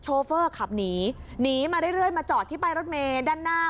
ชอเฟอร์ขับหนีหนีมาจอดที่ป้ายรถเมด้านหน้า